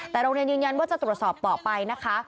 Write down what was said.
แต่โรงเรียนยืนยันว่าจะตรวจสอบต่อไปนะคะ